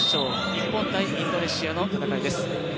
日本×インドネシアの戦いです。